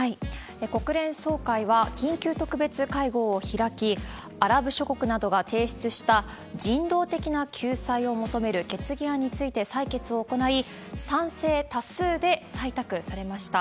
国連総会は緊急特別会合を開き、アラブ諸国などが提出した人道的な救済を求める決議案について採決を行い、賛成多数で採択されました。